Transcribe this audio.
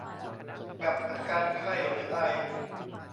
กับอาการไข้หรือไอ